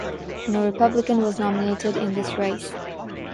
No Republican was nominated in this race.